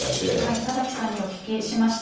田崎さんにお聞きしました。